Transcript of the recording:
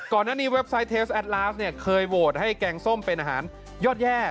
ก่อนหน้านี้เว็บไซต์เทสแอดลาสเนี่ยเคยโหวตให้แกงส้มเป็นอาหารยอดแย่